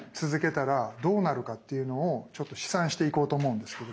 っていうのをちょっと試算していこうと思うんですけれども。